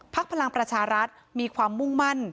พลังประชารัฐมีความมุ่งมั่น